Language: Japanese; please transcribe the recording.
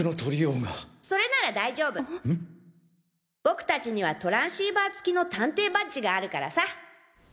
僕達にはトランシーバー付きの探偵バッジがあるからさ。